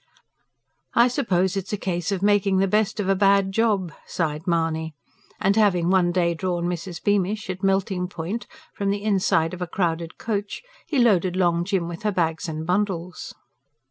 "I suppose it's a case of making the best of a bad job," sighed Mahony; and having one day drawn Mrs. Beamish, at melting point, from the inside of a crowded coach, he loaded Long Jim with her bags and bundles.